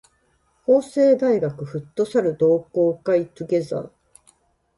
法政大学フットサル同好会 together